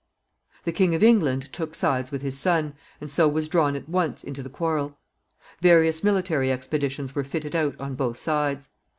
The King of England took sides with his son, and so was drawn at once into the quarrel. Various military expeditions were fitted out on both sides.